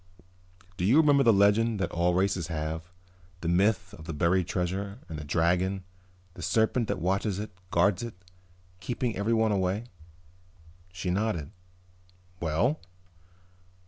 "Do you remember the legend that all races have, the myth of the buried treasure, and the dragon, the serpent that watches it, guards it, keeping everyone away?" She nodded. "Well?"